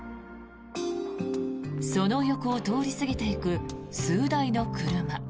その横を通り過ぎていく数台の車。